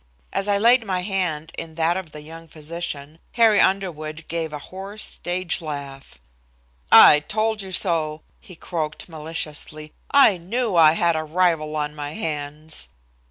As I laid my hand in that of the young physician, Harry Underwood gave a hoarse stage laugh. "I told you so," he croaked maliciously; "I knew I had a rival on my hands."